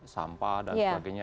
sampah dan sebagainya